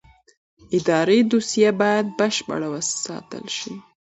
اداري دوسیه باید بشپړه وساتل شي.